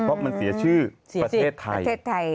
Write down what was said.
เพราะมันเสียชื่อประเทศไทย